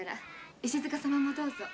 石塚様もどうぞ。